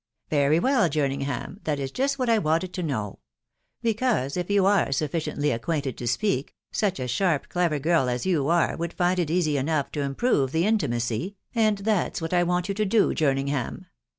" Very well, Jerningham, that is just what I wanted to know; because, if you are sufficiently acquainted to speak, such a sharp clever girl as you are, would find it easy enough to improve the intimacy, and that's what I want you to do, Jerningham.